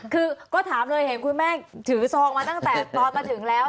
คือก็ถามเลยเห็นคุณแม่ถือซองมาตั้งแต่ตอนมาถึงแล้ว